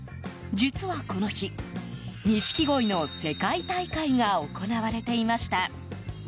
実はこの日、錦鯉の世界大会が行われていました。